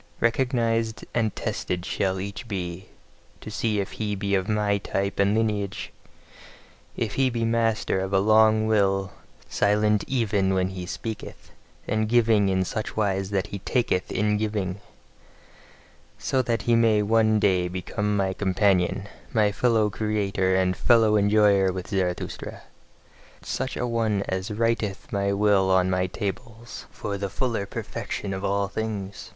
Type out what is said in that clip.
Recognised and tested shall each be, to see if he be of my type and lineage: if he be master of a long will, silent even when he speaketh, and giving in such wise that he TAKETH in giving: So that he may one day become my companion, a fellow creator and fellow enjoyer with Zarathustra: such a one as writeth my will on my tables, for the fuller perfection of all things.